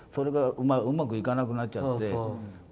うまくいかなくなっちゃって。